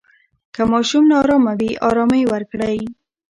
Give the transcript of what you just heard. که ماشوم نا آرامه وي، آرامۍ ورکړئ.